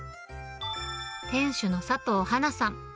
店主の佐藤波南さん。